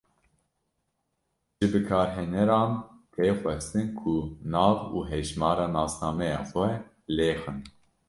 Ji bikarhêneran tê xwestin ku nav û hejmara nasnameya xwe lêxin.